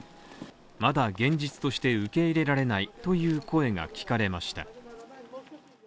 まだ現実として受け入れられないという声が聞かれました。